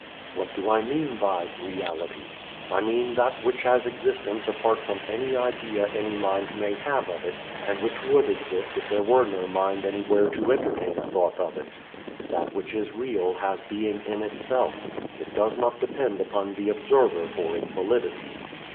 What do I mean by reality? I mean that which has existence apart from any idea any mind may have of it, and which would exist if there were no mind anywhere to entertain a thought of it. That which is real has being in itself. It does not depend upon the observer for its validity.